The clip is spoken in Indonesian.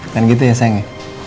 kan gitu ya sayangnya